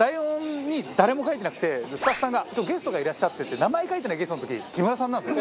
スタッフさんが「今日ゲストがいらっしゃって」って名前書いてないゲストの時木村さんなんですよ。